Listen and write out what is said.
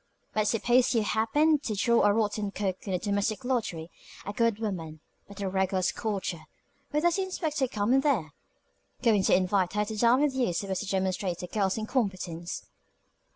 "But suppose you happened to draw a rotten cook in the domestic lottery a good woman, but a regular scorcher. Where does your inspector come in there? Going to invite her to dine with you so as to demonstrate the girl's incompetence?"